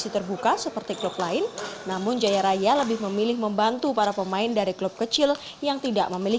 terus apa apa sendiri